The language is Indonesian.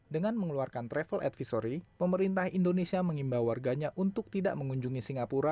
dengan mengeluarkan travel advisory pemerintah indonesia mengimbau warganya untuk tidak mengunjungi singapura